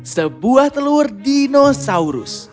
sebuah telur dinosaurus